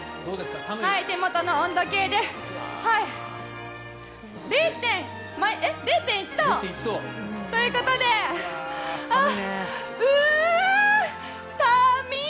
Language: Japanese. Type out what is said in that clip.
手元の温度計で０．１度ということでうー、さみいー！